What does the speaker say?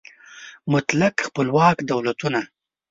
مطلق خپلواک دولتونه